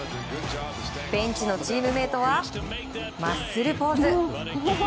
ベンチのチームメートはマッスルポーズ。